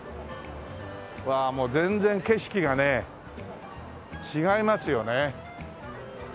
うわもう全然景色がね違いますよね。